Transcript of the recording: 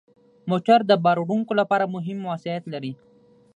موټر د بار وړونکو لپاره مهم وسایط لري.